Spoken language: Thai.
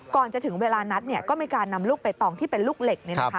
ก่อนจะถึงเวลานัดก็มีการนำลูกใบตองที่เป็นลูกเหล็ก